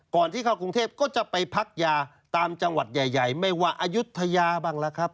ที่เข้ากรุงเทพก็จะไปพักยาตามจังหวัดใหญ่ไม่ว่าอายุทยาบ้างล่ะครับ